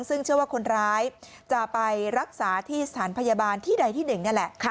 ซึ่งเชื่อว่าคนร้ายจะไปรักษาที่สถานพยาบาลที่ใดที่๑นี่แหละ